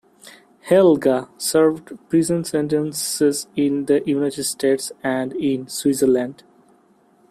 "Helga", served prison sentences in the United States and in Switzerland.